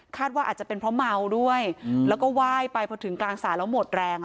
ว่าอาจจะเป็นเพราะเมาด้วยแล้วก็ไหว้ไปพอถึงกลางสระแล้วหมดแรง